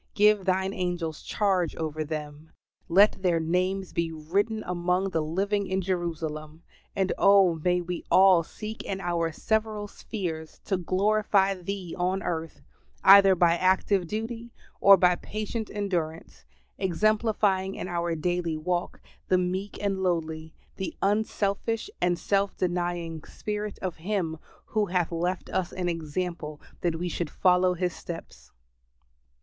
Give thine angels charge over them; let their names be written among the living in Jerusalem; and oh, may we all seek in our several spheres to glorify Thee on earth, either by active duty or by patient endurance; exemplifying in our daily walk the meek and lowly, the unselfish and self denying, spirit of Him, who hath left us an example that we should follow His steps.